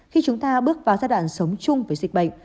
khi chúng ta bước vào giai đoạn sống chung với dịch bệnh